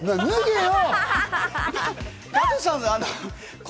脱げよ！